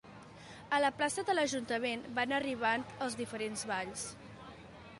A la plaça de l'ajuntament van arribant els diferents balls.